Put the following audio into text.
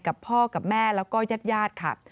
กับพ่อกับแม่แล้วก็ญาติญาติค่ะ